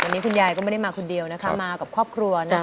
วันนี้คุณยายก็ไม่ได้มาคนเดียวนะคะมากับครอบครัวนะคะ